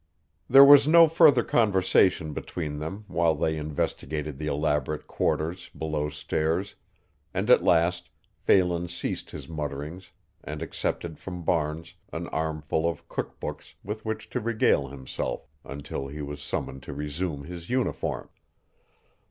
There was no further conversation between them while they investigated the elaborate quarters below stairs, and at last Phelan ceased his mutterings and accepted from Barnes an armful of cook books with which to regale himself until he was summoned to resume his uniform.